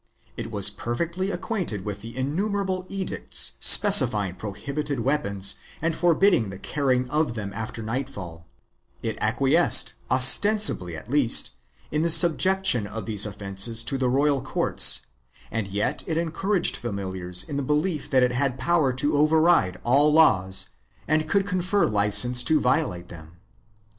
It was perfectly acquainted with the innumerable edicts specifying prohibited weapons and forbidding the carrying of them after night fall; it acquiesced, ostensibly at least, in the subjection of these offences to the royal courts and yet it encouraged famil iars in the belief that it had power to override all laws and could confer licence to violate them.